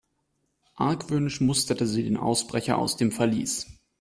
Argwöhnisch musterte sie den Ausbrecher aus dem Verlies.